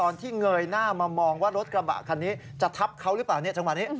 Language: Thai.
ที่เงยหน้ามามองว่ารถกระบะคันนี้จะทับเขาหรือเปล่าเนี่ยจังหวะนี้